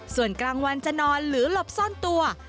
ส่วนกลางวันจะนอนหรือหลบซ่อนตัว